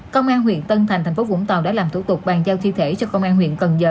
công an huyện tân thành thành phố vũng tàu đã làm thủ tục bàn giao thi thể cho công an huyện cần giờ